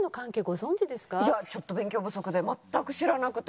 いやちょっと勉強不足で全く知らなくて。